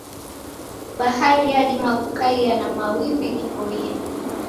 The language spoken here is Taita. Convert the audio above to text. Bahari yadima kukaia na mawimbi ghiboie.